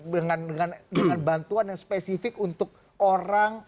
dengan bantuan yang spesifik untuk orang